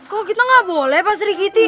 kok kita gak boleh pak sri kiti